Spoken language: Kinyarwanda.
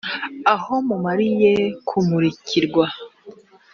aho mumariye kumurikirwa